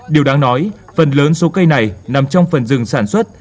điều đáng nói phần lớn số cây này nằm trong phần rừng sản xuất